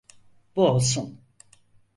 Bu olsun.